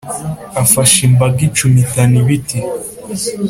afasha imbaga icumitana ibiti